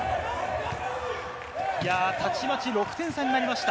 たちまち６点差になりました。